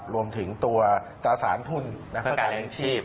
รวมถึงตัวตราสารทุนและฟื้นการแรงชีพ